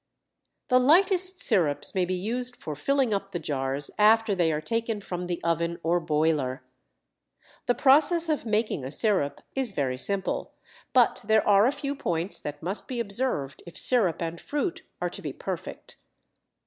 The lightest sirups may be used for filling up the jars after they are taken from the oven or boiler. The process of making a sirup is very simple, but there are a few points that must be observed if sirup and fruit are to be perfect.